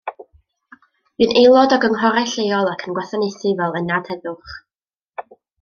Bu'n aelod o gynghorau lleol ac yn gwasanaethu fel ynad heddwch.